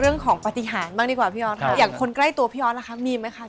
เรื่องของปฏิหารบ้างดีกว่าพี่ออสค่ะอย่างคนใกล้ตัวพี่ออสล่ะคะมีไหมคะ